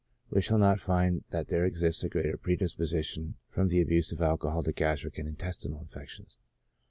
we shall not find that there exists a greater predisposition from the abuse of alcohol to gastric and intes tinal affections.